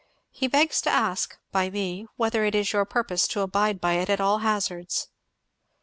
He begs to ask, by me, whether it is your purpose to abide by it at all hazards?"